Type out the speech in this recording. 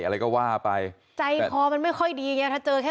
อะไรก็ว่าไปใจคอมันไม่ค่อยดีไงถ้าเจอแค่